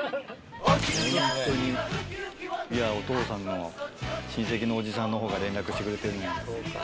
お父さんの親戚のおじさんの方が連絡してくれてる。